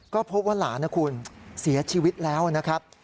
ก็พบว่าหลานนะคุณเสียชีวิตแล้วนะครับ